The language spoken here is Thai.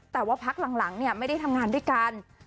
แต่ว่าพักหลังไม่ได้ทำงานด้วยกัน